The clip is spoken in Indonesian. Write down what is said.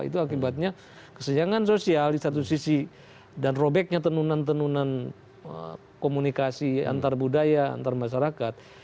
itu akibatnya kesenjangan sosial di satu sisi dan robeknya tenunan tenunan komunikasi antar budaya antar masyarakat